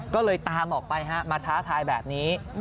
ก็เลยตามออกไปฮะมาท้าทายแบบนี้